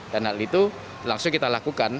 dan hal itu langsung kita lakukan